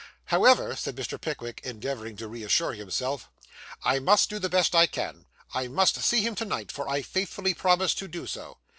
'However,' said Mr. Pickwick, endeavouring to reassure himself, 'I must do the best I can. I must see him to night, for I faithfully promised to do so.